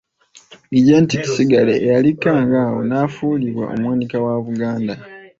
Regent Kisingiri eyali Kangaawo, n'afuulibwa Omuwanika wa Buganda.